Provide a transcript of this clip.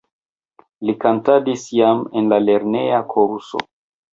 Li kantadis jam en la lerneja koruso.